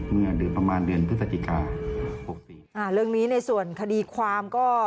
เมื่อด้วยประมาณเดือนสัจกาอ่าเรื่องในส่วนข่าวดีความก็